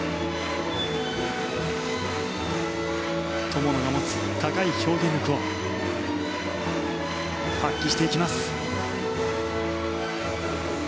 友野が持つ高い表現力を発揮していきます。